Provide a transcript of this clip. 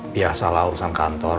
biasalah urusan kantor